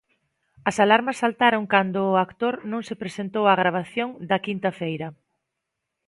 As alarmas saltaron cando o actor non se presentou á gravación da quinta feira.